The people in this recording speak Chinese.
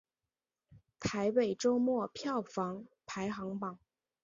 台北周末票房排行榜